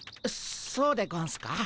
そうでゴンスか？